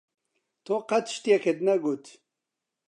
تۆ قەت شتێکت نەگوت.